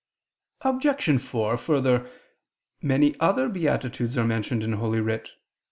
Obj. 4: Further, many other beatitudes are mentioned in Holy Writ.